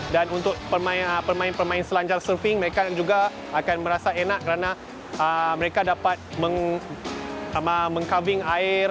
dan untuk pemain pemain selanjar surfing mereka juga akan merasa enak karena mereka dapat meng carving air